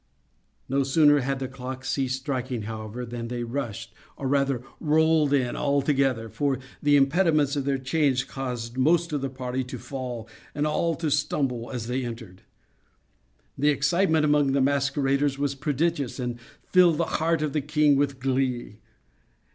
No sooner had the clock ceased striking, however, than they rushed, or rather rolled in, all together—for the impediments of their chains caused most of the party to fall, and all to stumble as they entered. The excitement among the masqueraders was prodigious, and filled the heart of the king with glee.